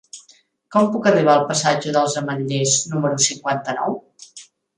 Com puc arribar al passatge dels Ametllers número cinquanta-nou?